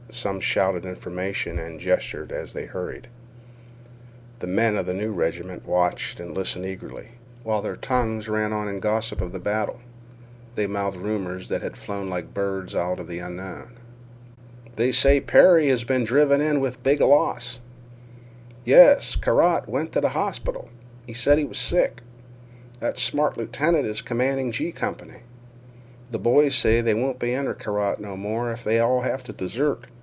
Some shouted information and gestured as the hurried. The men of the new regiment watched and listened eagerly, while their tongues ran on in gossip of the battle. They mouthed rumors that had flown like birds out of the unknown. "They say Perry has been driven in with big loss." "Yes, Carrott went t' th' hospital. He said he was sick. That smart lieutenant is commanding 'G' Company. Th' boys say they won't be under Carrott no more if they all have t' desert.